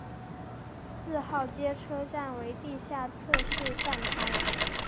四号街车站为地下侧式站台。